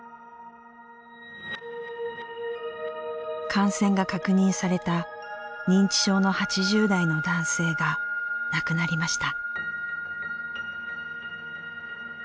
感染が確認された認知症の８０代の男性が亡くなりました。